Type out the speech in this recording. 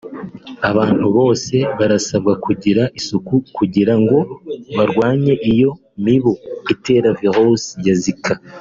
Abantu bose barasabwa kugira isuku kugira ngo barwanye iyo mibu itera virus ya Zika